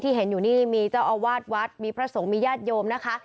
เห็นอยู่นี่มีเจ้าอาวาสวัดมีพระสงฆ์มีญาติโยมนะคะ